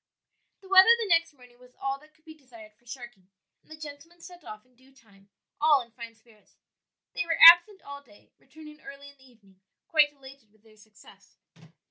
The weather the next morning was all that could be desired for sharking, and the gentlemen set off in due time, all in fine spirits. They were absent all day, returning early in the evening quite elated with their success.